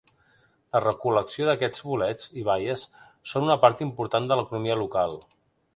La recol·lecció d'aquests bolets i baies són una part important de l'economia local.